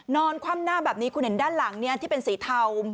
คว่ำหน้าแบบนี้คุณเห็นด้านหลังที่เป็นสีเทา